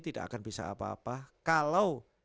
tidak akan bisa apa apa kalau